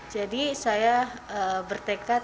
jadi saya bertekad